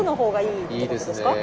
いいですね。